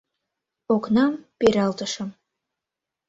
Окнам пералтышым.